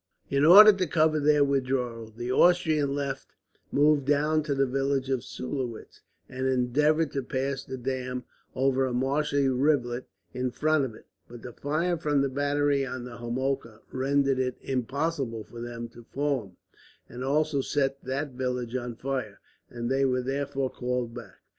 In order to cover their withdrawal, the Austrian left moved down to the village of Sulowitz, and endeavoured to pass the dam over a marshy rivulet in front of it; but the fire from the battery on the Homolka rendered it impossible for them to form, and also set that village on fire, and they were therefore called back.